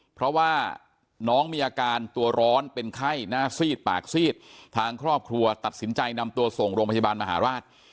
เพราะว่าน้องมีอาการตัวร้อนเป็นไข้หน้าซีดปากซีดทางครอบครัวตัดสินใจนำตัวส่งโรงพยาบาลมหาราช